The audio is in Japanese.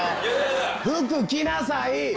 服着なさい！